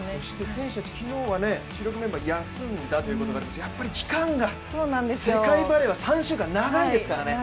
選手たち、昨日は主力メンバー休んだということですがやっぱり期間が、世界バレーは３週間、長いですから。